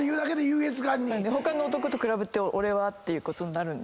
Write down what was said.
他の男と比べて俺はっていうことになるんで。